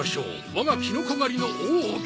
我がキノコ狩りの奥義。